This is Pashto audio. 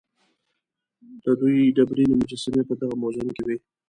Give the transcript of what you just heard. د دوی ډبرینې مجسمې په دغه موزیم کې وې.